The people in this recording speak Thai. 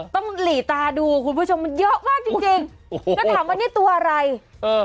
ต้องหลีตาดูคุณผู้ชมเยอะมากจริงก็ถามว่าเนี่ยตัวอะไรเออ